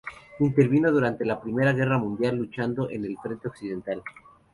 Intervino durante la Primera Guerra Mundial, luchando en el Frente occidental.